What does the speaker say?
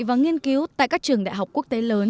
và nghiên cứu tại các trường đại học quốc tế lớn